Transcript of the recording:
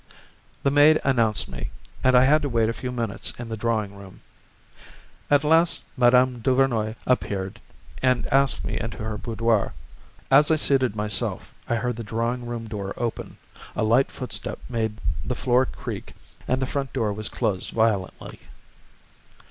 The maid announced me, and I had to wait a few minutes in the drawing room. At last Mme. Duvernoy appeared and asked me into her boudoir; as I seated myself I heard the drawing room door open, a light footstep made the floor creak and the front door was closed violently.